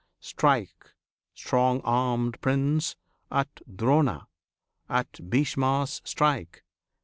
Strike, strong armed Prince, at Drona! at Bhishma strike!